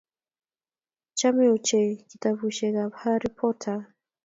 Chame ochei kitabushek kab Harry Potter